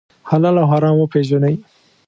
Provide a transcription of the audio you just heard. حلال او حرام وپېژنئ.